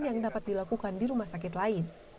yang dapat dilakukan di rumah sakit lain